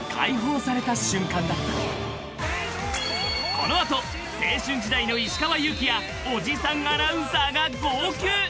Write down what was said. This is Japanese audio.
［この後青春時代の石川祐希やおじさんアナウンサーが号泣］